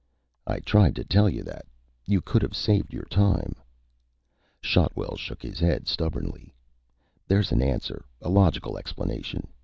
"I tried to tell you that. You could have saved your time." Shotwell shook his head stubbornly. "There's an answer, a logical explanation.